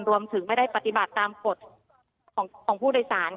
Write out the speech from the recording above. รวมถึงไม่ได้ปฏิบัติตามกฎของผู้โดยสารค่ะ